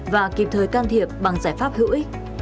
và kịp thời can thiệp bằng giải pháp hữu ích